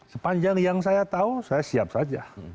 sepanjang yang saya tahu saya siap saja